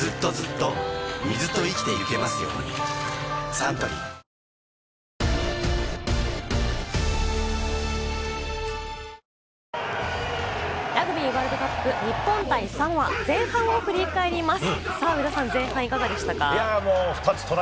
サントリーラグビーワールドカップ日本対サモア、前半を振り返ります。